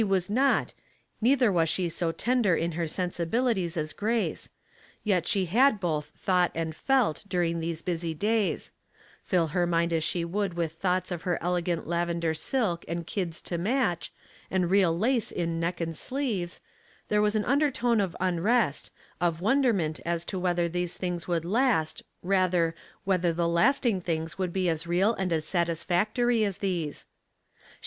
was not, neither was she so tender in her sen sibilities as Grace, yet she had both thought and felt, during these busy days ; fill her mind as she would with thoughts of her elegant lavender silk and kids to match, and real lace in neck and sleeves, there was an undertone of unrest, of wonderment as to whether these things would last, rather, whether the lasting things would be as real and as satisfactory as these. She.